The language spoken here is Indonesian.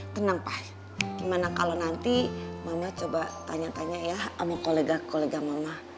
tenang pak gimana kalau nanti mama coba tanya tanya ya sama kolega kolega mama